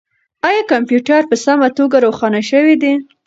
آیا کمپیوټر په سمه توګه روښانه شوی دی؟